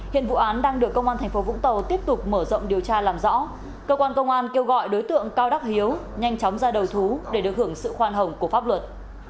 hiện vụ án đang được công an tp vũng tàu tiếp tục mở rộng điều tra làm rõ cơ quan công an kêu gọi đối tượng cao đắc hiếu nhanh chóng ra đầu thú để được hưởng sự khoan hồng của pháp luật